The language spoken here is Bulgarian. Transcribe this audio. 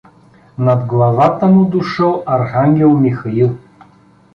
Над главата му дошъл архангел Михаил.